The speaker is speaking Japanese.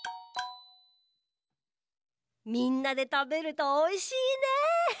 みんなでたべるとおいしいね。